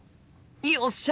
よっしゃ！